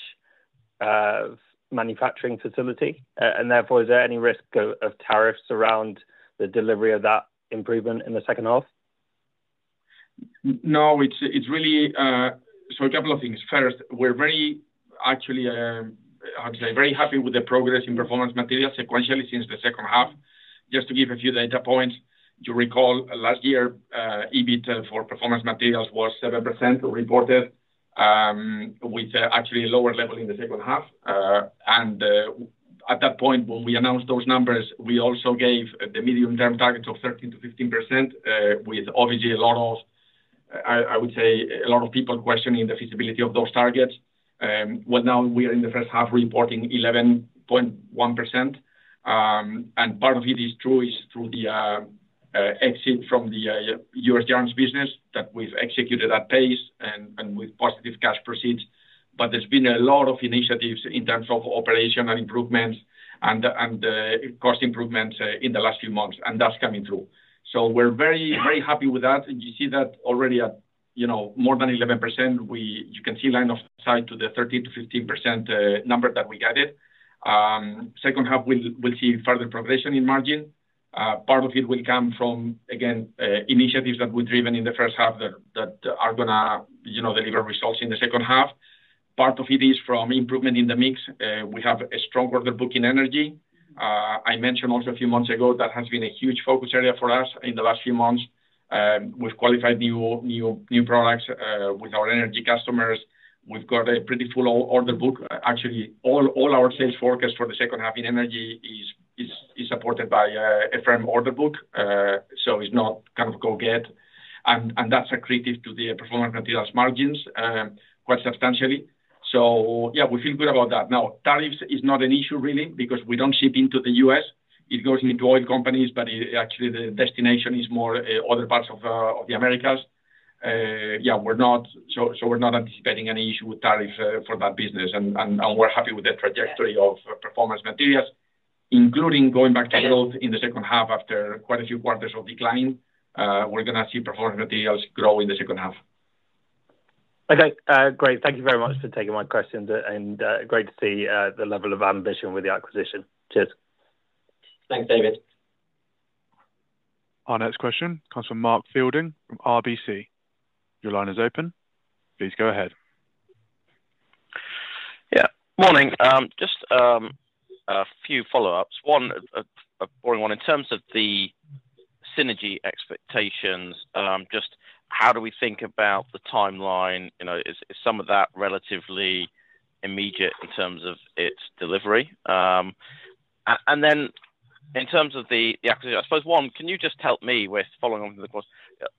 manufacturing facility? And therefore, is there any risk of tariffs around the delivery of that improvement in the second half? No. It's really so a couple of things. First, we're very actually, I would say, very happy with the progress in Performance Materials sequentially since the second half. Just to give a few data points, you recall last year, EBIT for Performance Materials was 7% reported with actually a lower level in the second half. And at that point, when we announced those numbers, we also gave the medium term target of 13% to 15% with obviously a lot of, I would say, a lot of people questioning the feasibility of those targets. Well, now we are in the first half reporting 11.1%. And part of it is true is through the exit from The U. S. German's business that we've executed at pace and with positive cash proceeds. But there's been a lot of initiatives in terms of operational improvements and cost improvements in the last few months, and that's coming through. So we're very, very happy with that. And you see that already at more than 11%. We you can see line of sight to the 13% to 15% number that we guided. Second half, we'll see further progression in margin. Part of it will come from, again, initiatives that were driven in the first half that are going to deliver results in the second half. Part of it is from improvement in the mix. We have a strong order book in energy. I mentioned also a few months ago that has been a huge focus area for us in the last few months. We've qualified new products with our Energy customers. We've got a pretty full order book. Actually, all our sales forecast for the second half in Energy is supported by a firm order book. So it's not kind of go get. And that's accretive to the Performance Materials margins quite substantially. So yes, we feel good about that. Now tariffs is not an issue really because we don't ship into The U. S. It goes into oil companies, but actually the destination is more other parts of The Americas. Yes, we're not anticipating any issue with tariffs for that business, and we're happy with the trajectory of Performance Materials, including going back to in the second half after quite a few quarters of declining, we're going see Performance Materials grow in the second half. Our next question comes from Mark Fielding from RBC. Just a few follow ups. One, a boring one. In terms of the synergy expectations, just how do we think about the time line? Is some of that relatively immediate in terms of its delivery? And then in terms of the acquisition, I suppose, one, can you just help me with following on with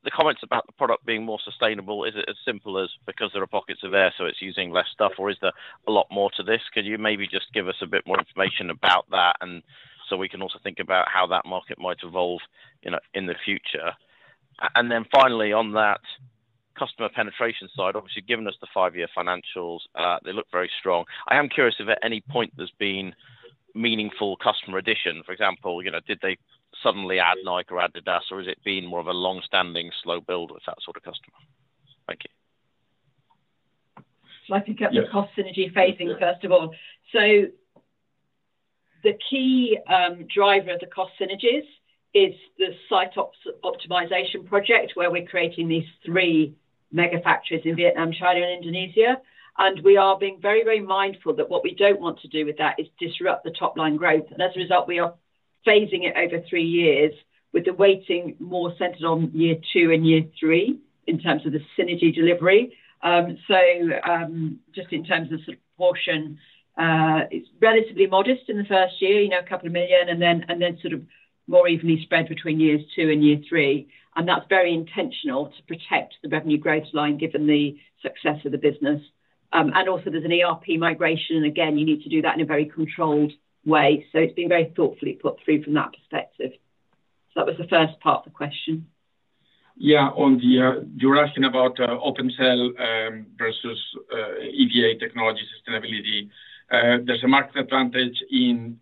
the comments about the product being more sustainable? Is it as simple as because there are pockets of air, so it's using less stuff? Or is there a lot more to this? Could you maybe just give us a bit more information about that and so we can also think about how that market might evolve in the future? And then finally, on that customer penetration side, obviously, given us the five year financials, they look very strong. I am curious if at any point there's been meaningful customer addition. For example, did they suddenly add like or add the DAS? Or has it been more of a long standing slow build with that sort of customer? You. So I think at the cost synergy phasing, So first of the key driver of the cost synergies is the site optimization project, where we're creating these three mega factories in Vietnam, China and Indonesia. And we are being very, very mindful that what we don't want to do with that is disrupt the top line growth. And as a result, we are phasing it over three years with the weighting more centered on year two and year three in terms of the synergy delivery. So, just in terms of proportion, it's relatively modest in the first year, a couple of million and then sort of more evenly spread between years two and year three. And that's very intentional to protect the revenue growth line given the success of the business. And also there's an ERP migration, and again you need to do that in a very controlled way. So it's been very thoughtfully put through from that perspective. So that was the first part of the question. Yes. On the you're asking about OpenCell versus EVA technology sustainability. There's a market advantage in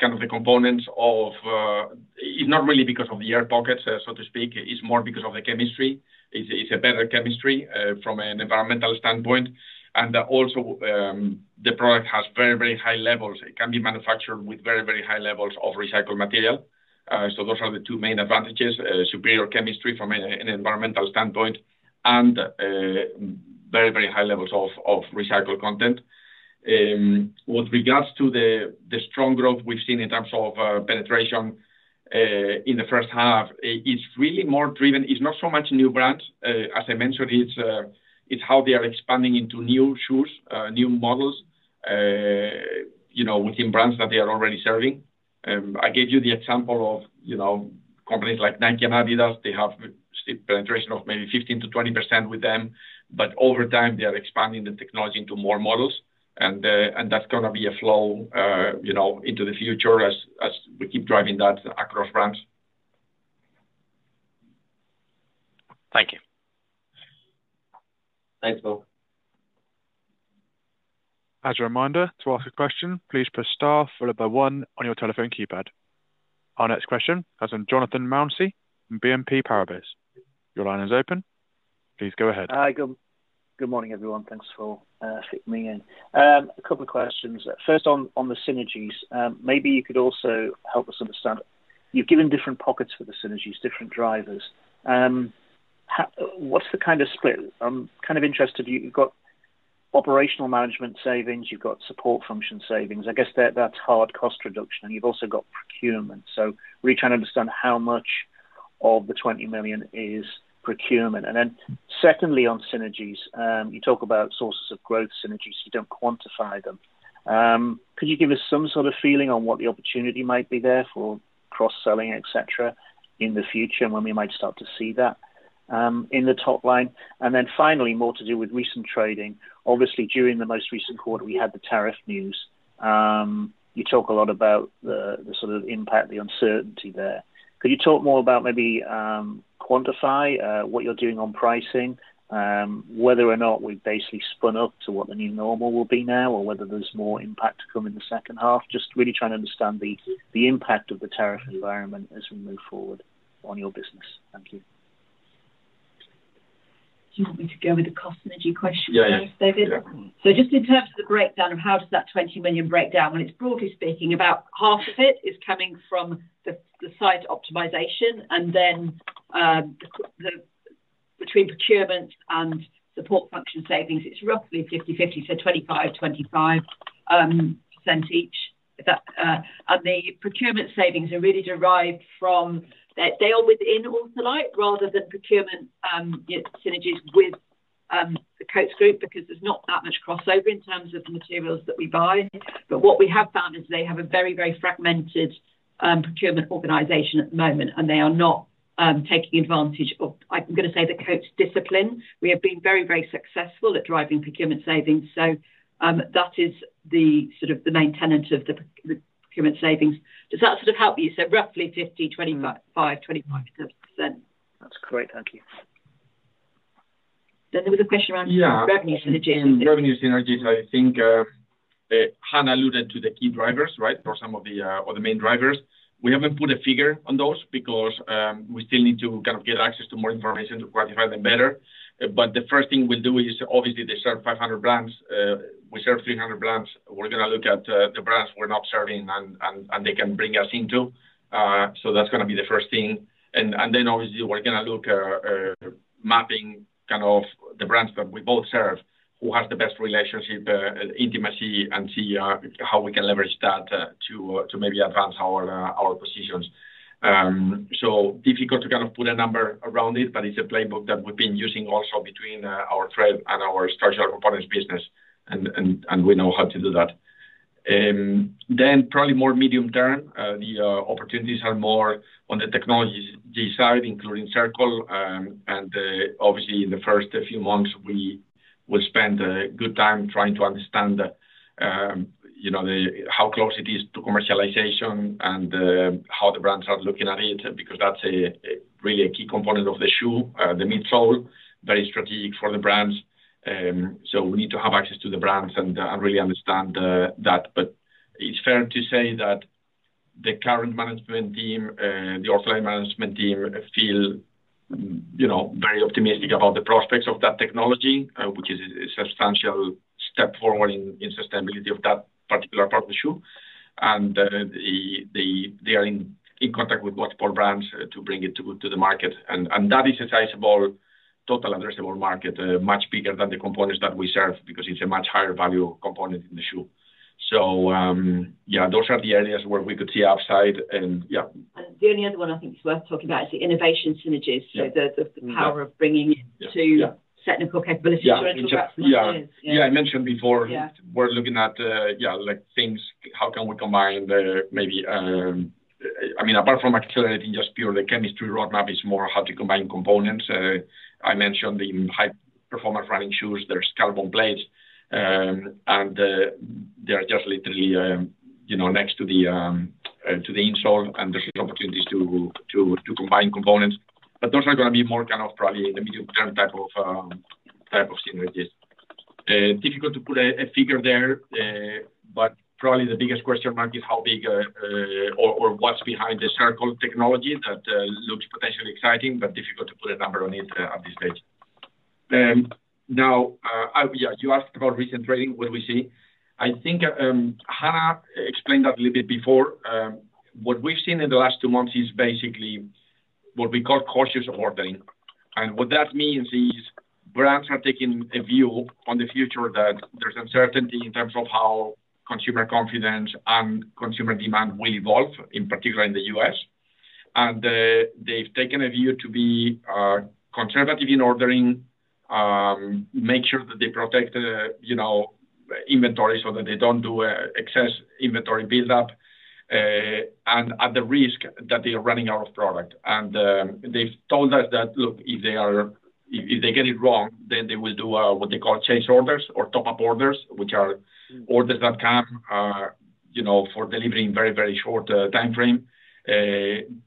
kind of the components of it's not really because of the air pockets, so to speak. It's more because of the chemistry. It's a better chemistry from an environmental standpoint. And also, the product has very, very high levels. It can be manufactured with very, very high levels of recycled material. So those are the two main advantages, superior chemistry from an environmental standpoint and very, very high levels of recycled content. With regards to the strong growth we've seen in terms of penetration in the first half, it's really more driven it's not so much new brands. As I mentioned, it's how they are expanding into new shoes, new models within brands that they are already serving. I gave you the example of companies like Nike and Adidas. They have penetration of maybe 15% to 20% with them. But over time, they are expanding the technology into more models. And that's going to be a flow into the future as we keep driving that across brands. Our next question comes from Jonathan Mountsie from BNP Paribas. Line is open. Go ahead. Good morning, everyone. Thanks for fitting me in. A couple of questions. First, on the synergies. Maybe you could also help us understand, you've given different pockets for the synergies, different drivers. What's the kind of split kind of interested you've got operational management savings, you've got support function savings. I guess that's hard cost reduction and you've also got procurement. So really trying to understand how much of the $20,000,000 is procurement. And then secondly, on synergies, you talk about sources of growth synergies, you don't quantify them. Could you give us some sort of feeling on what the opportunity might be there for cross selling, etcetera, in the future and when we might start to see that in the top line? And then finally, more to do with recent trading. Obviously, during the most recent quarter, we had the tariff news. You talk a lot about the sort of impact, the uncertainty there. Could you talk more about maybe quantify what you're doing on pricing, whether or not we've basically spun up to what the new normal will be now or whether there's more impact to come in the second half? Just really trying to understand the impact of the tariff environment as we move forward on your business. Do you want me to go with the cost synergy question, Yes. So just in terms of the breakdown of how does that 20,000,000 breakdown, when it's broadly speaking, about half of it is coming from the site optimization. And then, the between procurement and support function savings, it's roughly fifty-fifty, so '20 five-twenty five, percent each. Is that, and the procurement savings are really derived from they are within Aultholite rather than procurement synergies with the Coats Group because there's not that much crossover in terms of the materials that we buy. But what we have found is they have a very, very fragmented procurement organization at the moment and they are not, taking advantage of, I'm going say, the coach discipline. We have been very, very successful at driving procurement savings, so, that is the sort of the main tenet of the procurement savings. Does that sort of help you? So roughly 50%, 25%, 25%. That's correct. Thank you. Then there was a question around revenue Yes. Revenue synergies, I think, Han alluded to the key drivers, right, or some of the or the main drivers. We haven't put a figure on those because we still need to kind of get access to more information to quantify them better. But the first thing we'll do is, obviously, they serve 500 brands. We serve 300 brands. We're going to look at the brands we're not serving and they can bring us into. So that's going to be the first thing. And then obviously, we're going to look mapping kind of the brands that we both serve, who has the best relationship, intimacy and see how we can leverage that to maybe advance our positions. So difficult to kind of put a number around it, but it's a playbook that we've been using also between our thread and our structural components business and we know how to do that. Then probably more medium term, the opportunities are more on the technology side, including Circle. And obviously, in the first few months, we will spend a good time trying to understand how close it is to commercialization and how the brands are looking at it because that's really a key component of the shoe, the midsole, very strategic for the brands. So we need to have access access to the brands and really understand that. But it's fair to say that the current management team, the offline management team feel very optimistic about the prospects of that technology, which is a substantial step forward in sustainability of that particular part of the shoe. And they are in contact with watchful brands to bring it to the market. And that is a sizable total addressable market, much bigger than the components that we serve because it's a much higher value component in the shoe. So yes, those are the areas where we could see upside and yes. The only other one I think is worth talking about is the innovation synergies, so the power of bringing to technical capabilities. Yes, I mentioned before, we're looking at like things how can we combine maybe I mean apart from accelerating just purely chemistry roadmap, it's more how to combine components. I mentioned the high performance running shoes, there's carbon blades. And they are just literally next to the insole and there's opportunities to combine components. But those are going to be more kind of probably in the medium term type of synergies. Difficult to put a figure there, but probably the biggest question mark is how big or what's behind the circle of technology that looks potentially exciting, but difficult to put a number on it at this stage. Now yes, you asked about recent trading, what do we see? I think Hannah explained that a little bit before. What we've seen in the last two months is basically what we call cautious ordering. And what that means is brands are taking a view on the future that there's uncertainty in terms of how consumer confidence and consumer demand will evolve, in particular in The U. S. And they've taken a view to be conservative in ordering, make sure that they protect the inventory so that they don't do excess inventory buildup and at the risk that they are running out of product. And they've told us that, look, if they if they get are it wrong, then they will do what they call chase orders or top up orders, which are orders that come for delivering very, very short time frame during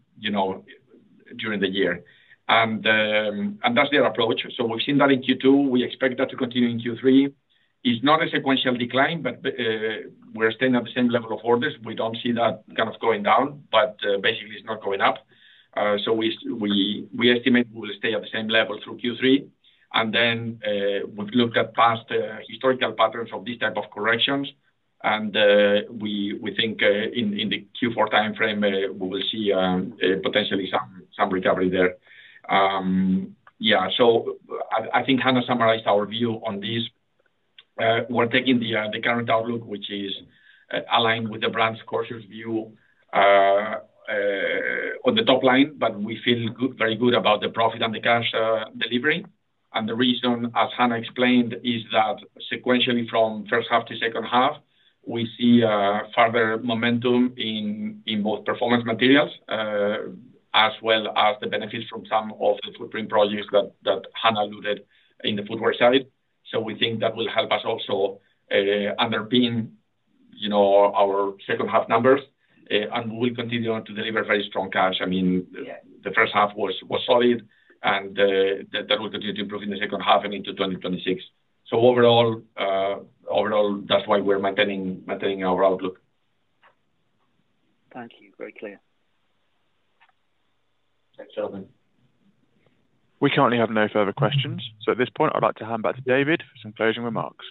the year. And that's their approach. So we've seen that in Q2. We expect that to continue in Q3. It's not a sequential decline, but we're staying at the same level of orders. We don't see that kind of going down, but basically it's not going up. So we estimate we will stay at the same level through Q3. And then we've looked at past historical patterns of these type of corrections. And we think in the Q4 time frame, we will see potentially some recovery there. Yes. So I think Hannah summarized our view on this. We're taking the current outlook, which is aligned with the brand's cautious view on the top line, but we feel very good about the profit and the cash delivery. And the reason, as Hannah explained, is that sequentially from first half to second half, we see further momentum in both Performance Materials as well as the benefits from some of the footprint projects that Hannah alluded in the footwear side. So we think that will help us also underpin our second half numbers. And we'll continue on to deliver very strong cash. I mean the first half was solid and that will continue to improve in the second half and into 2026. So overall, that's why we're maintaining our outlook. Thank you. Very clear. Thanks, Sheldon. We currently have no further questions. So at this point, I'd like to hand back to David for some closing remarks.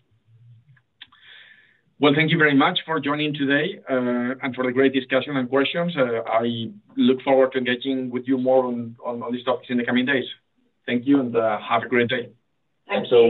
Well, thank you very much for joining today and for the great discussion and questions. I look forward to engaging with you more on these topics in the coming days. Thank you, and have a great day. Thank you.